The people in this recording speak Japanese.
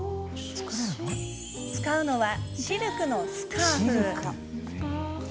使うのは、シルクのスカーフ。